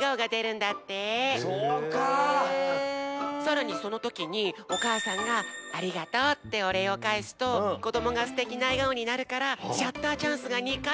さらにそのときにおかあさんが「ありがとう」っておれいをかえすとこどもがすてきなえがおになるからシャッターチャンスが２かいもあるんだって！